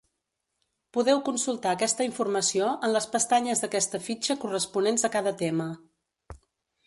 Podeu consultar aquesta informació en les pestanyes d'aquesta fitxa corresponents a cada tema.